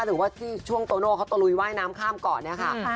ถือว่าที่ช่วงโตโนเขาตะลุยว่ายน้ำข้ามเกาะ